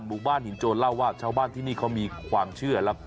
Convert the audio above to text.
หมู่บ้านหินโจรเล่าว่าชาวบ้านที่นี่เขามีความเชื่อแล้ว